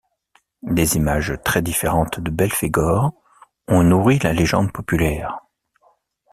Des images très différentes de Belphégor ont nourri la légende populaire.